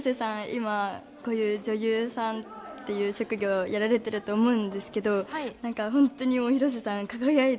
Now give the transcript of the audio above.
今こういう女優さんっていう職業をやられてると思うんですけど何か本当に広瀬さん輝いてて。